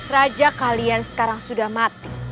raja kalian sekarang sudah mati